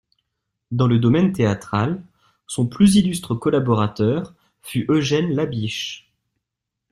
Dans le domaine théâtral, son plus illustre collaborateur fut Eugène Labiche.